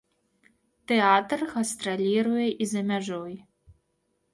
Тэатр гастраліруе і за мяжой.